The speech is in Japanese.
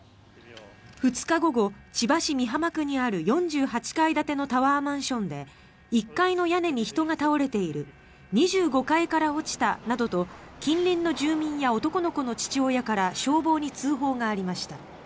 ２日午後、千葉市美浜区にある４８階建てのタワーマンションで１階の屋根に人が倒れている２５階から落ちたなどと近隣の住民や男の子の父親から消防に通報がありました。